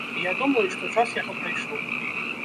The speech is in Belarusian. Я думаю, што час яго прайшоў.